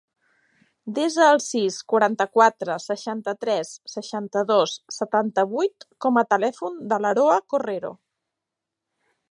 Desa el sis, quaranta-quatre, seixanta-tres, seixanta-dos, setanta-vuit com a telèfon de l'Aroa Correro.